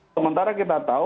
sementara kita tahu